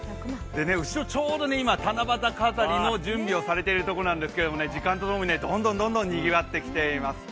後ろちょうど今、七夕飾りの準備をしているところなんですが時間とともにどんどんにぎわってきています。